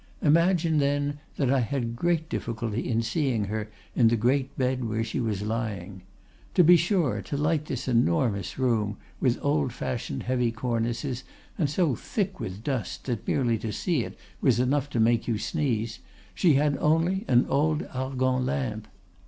Imagine, then, that I had great difficulty in seeing her in the great bed where she was lying. To be sure, to light this enormous room, with old fashioned heavy cornices, and so thick with dust that merely to see it was enough to make you sneeze, she had only an old Argand lamp.